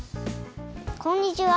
こんにちは。